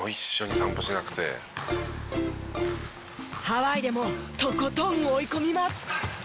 ハワイでもとことん追い込みます。